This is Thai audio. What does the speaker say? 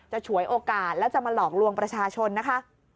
ฉวยโอกาสแล้วจะมาหลอกลวงประชาชนนะคะ